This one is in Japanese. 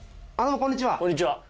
こんにちは。